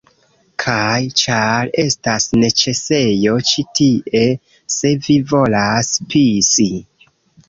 Kaj ĉar... estas neĉesejo ĉi tie se vi volas pisi